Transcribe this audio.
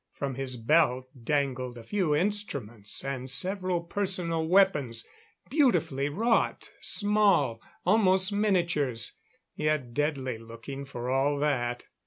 From his belt dangled a few instruments and several personal weapons beautifully wrought, small almost miniatures yet deadly looking for all that.